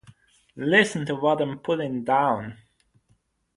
Listen to what I'm puttin' down.